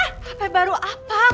hp baru apa